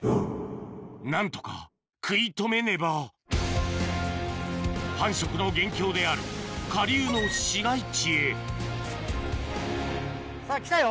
何とか食い止めねば繁殖の元凶である下流の市街地へ来たよ。